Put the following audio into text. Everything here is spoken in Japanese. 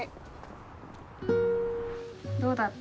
どうだった？